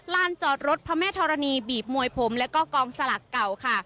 ลานจอดรถพระแม่ธรณีบีบมวยผมแล้วก็กองสลักเก่าค่ะ